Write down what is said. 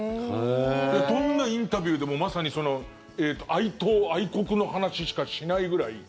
どんなインタビューでもまさに愛党・愛国の話しかしないくらい。